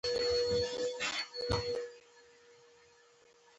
د لرګي کار کوونکي نجار بلل کېږي.